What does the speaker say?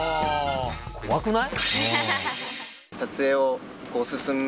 怖くない？